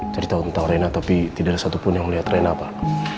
jadi tahu tahu rina tapi tidak satupun yang melihat rina pak